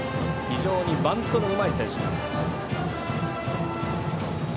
非常にバントのうまい選手です。